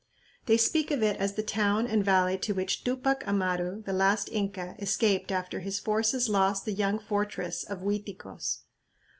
They speak of it as the town and valley to which Tupac Amaru, the last Inca, escaped after his forces lost the "young fortress" of Uiticos.